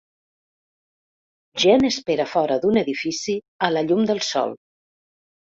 Gent espera fora d'un edifici a la llum del sol.